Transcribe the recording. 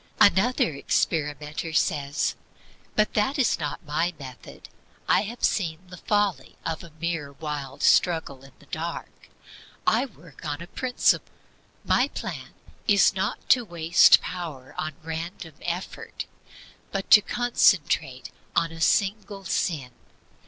2. Another experimenter says: "But that is not my method. I have seen the folly of a mere wild struggle in the dark. I work on a principle. My plan is not to waste power on random effort, but to concentrate on a single sin.